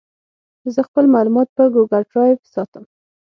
زه خپل معلومات په ګوګل ډرایو ساتم.